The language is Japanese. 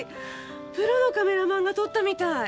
プロのカメラマンが撮ったみたい。